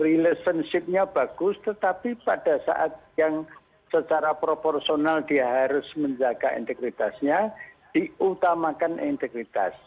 relationship nya bagus tetapi pada saat yang secara proporsional dia harus menjaga integritasnya diutamakan integritas